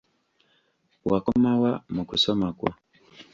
Wakomawa mukusoma kwo?